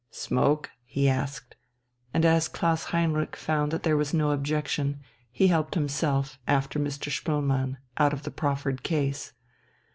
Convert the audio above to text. "Smoke?" he asked.... And as Klaus Heinrich found that there was no objection, he helped himself, after Mr. Spoelmann, out of the proffered case.